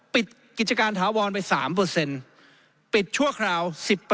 ปิดกิจการถาวรไป๓ปิดชั่วคราว๑๐